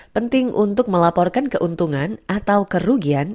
penting untuk melaporkan keuntungan atau kerugian